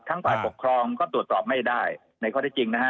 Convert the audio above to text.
ฝ่ายปกครองก็ตรวจสอบไม่ได้ในข้อที่จริงนะฮะ